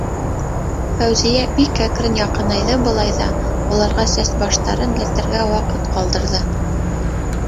Фәүзиә бик әкрен яҡынайҙы былай ҙа, уларға сәс-баштарын рәтләргә ваҡыт ҡалдырҙы.